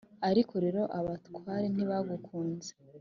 ariko rero abatware ntibagukunze